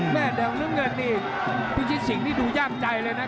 แม่แดงรุ่งเงินนี่พิวชิดศิงฌ์นี่ดูย่ำใจเลยนะ